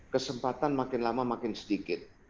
kesempatan makin lama makin sedikit